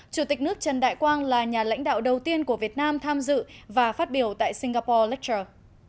chủ tịch nước trần đại quang là nhà lãnh đạo đầu tiên của việt nam tham dự và phát biểu tại singapore lektor